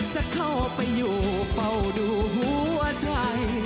จะเข้าไปอยู่เฝ้าดูหัวใจ